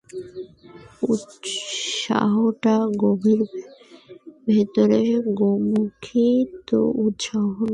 উৎসটা গভীর ভিতরে, গোমুখী তো উৎস নয়।